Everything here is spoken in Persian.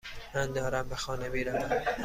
من دارم به خانه میروم.